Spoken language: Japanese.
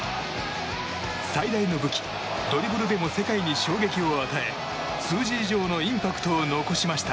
最大の武器、ドリブルでも世界に衝撃を与え数字以上のインパクトを残しました。